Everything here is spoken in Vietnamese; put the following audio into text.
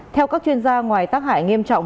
theo các chuyên gia ngoài tác hại nghiêm trọng